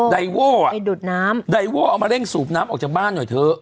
ไดโว่อ่ะไปดูดน้ำไดโว้เอามาเร่งสูบน้ำออกจากบ้านหน่อยเถอะ